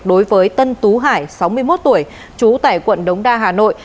đối với tân tú hải sáu mươi một tuổi trú tại quận đống đa hà nội